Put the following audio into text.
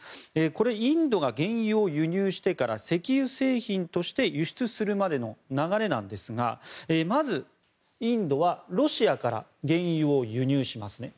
これ、インドが原油を輸入してから石油製品として輸出するまでの流れなんですがまず、インドはロシアから原油を輸入しますね